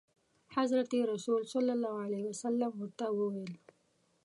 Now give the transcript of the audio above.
حضرت رسول صلعم ورته وویل.